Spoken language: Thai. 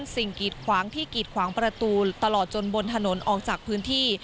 กีดขวางที่กีดขวางประตูตลอดจนบนถนนออกจากพื้นที่